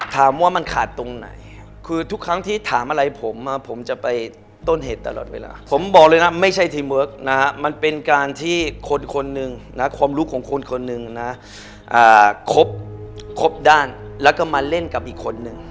ถามว่ามันขาดตรงไหนคือทุกครั้งที่ถามอะไรผมผมจะไปต้นเหตุตลอดเวลาผมบอกเลยนะไม่ใช่ทีเวิร์คนะฮะมันเป็นการที่คนคนหนึ่งนะความรู้ของคนคนหนึ่งนะครบครบด้านแล้วก็มาเล่นกับอีกคนนึง